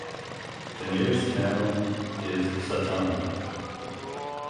The nearest town is Satana.